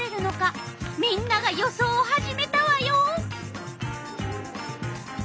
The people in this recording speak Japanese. みんなが予想を始めたわよ！